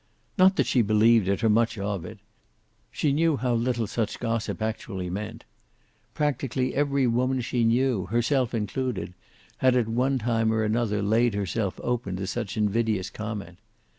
Not that she believed it, or much of it. She knew how little such gossip actually meant. Practically every woman she knew, herself included, had at one time or another laid herself open to such invidious comment.